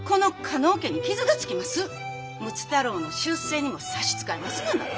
睦太郎の出世にも差し支えますがな！